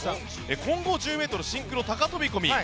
混合１０ｍシンクロ高飛込